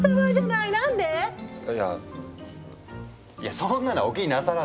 いやそんなのはお気になさらず。